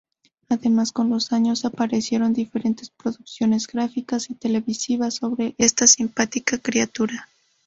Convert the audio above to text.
Además, con los años, aparecieron diferentes producciones gráficas y televisivas sobre esta simpática criatura.